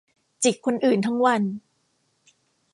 จิกคนอื่นทั้งวัน